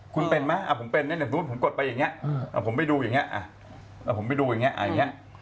คุณป่ะผมกดไปอย่างเงี้ย